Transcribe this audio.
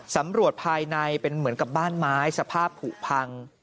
สำรวจภายในเป็นเหมือนกับบ้านไม้สภาพผูกพัง